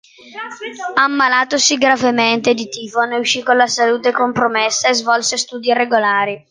Ammalatosi gravemente di tifo, ne uscì con la salute compromessa e svolse studi irregolari.